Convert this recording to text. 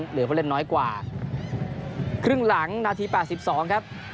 เหลือเพราะเล่นน้อยกว่าครึ่งหลังนาทีแปดสิบสองครับ